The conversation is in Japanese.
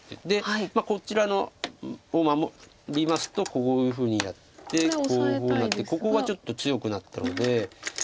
でこちらを守りますとこういうふうにやってこういうふうになってここがちょっと強くなったので。